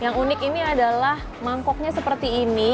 yang unik ini adalah mangkoknya seperti ini